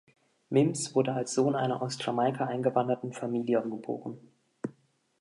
Mims wurde als Sohn einer aus Jamaika eingewanderten Familie geboren.